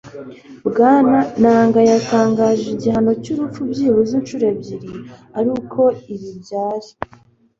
bwana nanga yatangaje igihano cy'urupfu byibuze inshuro ebyiri ariko ibi byari